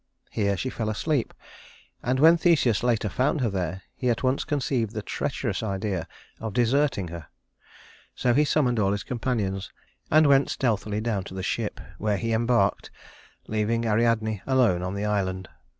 Here she fell fast asleep, and when Theseus later found her there, he at once conceived the treacherous idea of deserting her. So he summoned all his companions, and went stealthily down to the ship, where he embarked, leaving Ariadne alone on the island.